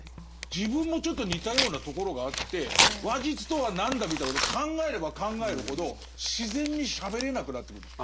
自分もちょっと似たようなところがあって話術とは何だみたいなことを考えれば考えるほど自然にしゃべれなくなってくるんです。